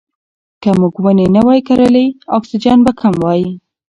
که موږ ونې نه وای کرلې اکسیجن به کم وای.